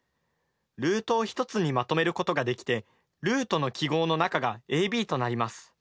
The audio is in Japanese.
ルートを１つにまとめることができてルートの記号の中がａｂとなります。